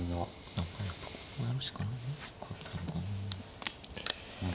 何かやっぱこうやるしかなかったのかな。